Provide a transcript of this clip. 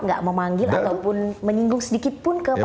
nggak memanggil ataupun menyinggung sedikitpun ke pak luhut